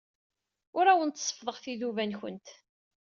Ur awent-seffḍeɣ tiduba-nwent.